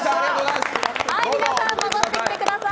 皆さん、戻ってきてください